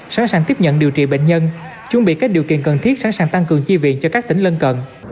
sẵn sàng tiếp nhận điều trị bệnh nhân chuẩn bị các điều kiện cần thiết sẵn sàng tăng cường chi viện cho các tỉnh lân cận